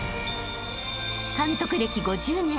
［監督歴５０年］